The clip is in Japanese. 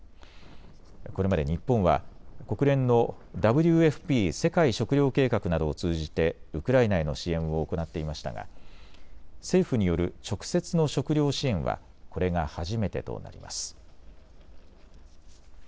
これまで日本は国連のＷＦＰ・世界食糧計画などを通じてウクライナへの支援を行っていましたが政府による直接の食料支援はこれが初めてとなります。